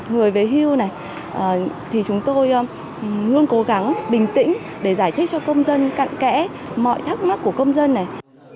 người về hưu này thì chúng tôi luôn cố gắng bình tĩnh để giải thích cho công dân cận kẽ mọi thắc mắc của công dân này